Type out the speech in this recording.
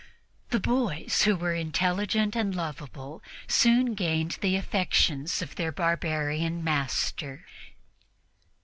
The boys, who were intelligent and lovable, soon gained the affections of their barbarian master.